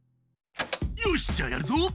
よしじゃあやるぞ。